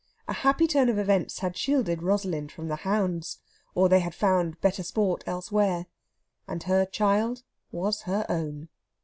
A happy turn of events had shielded Rosalind from the hounds, or they had found better sport elsewhere. And her child was her own.